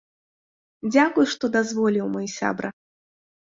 Дзякуй, што дазволіў, мой сябра!